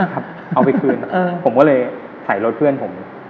เอาไปคืนผมก็เลยใส่รถเพื่อนผม